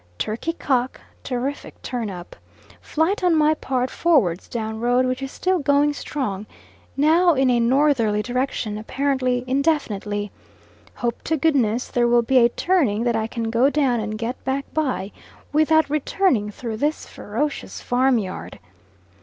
Turkey cock terrific turn up. Flight on my part forwards down road, which is still going strong, now in a northerly direction, apparently indefinitely. Hope to goodness there will be a turning that I can go down and get back by, without returning through this ferocious farmyard.